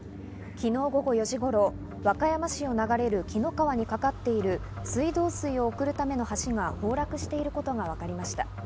昨日午後４時頃、和歌山市を流れる紀の川にかかっている水道水を送るための橋が崩落していることが分かりました。